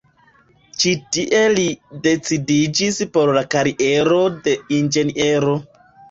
Ĉi tie li decidiĝis por la kariero de Inĝeniero.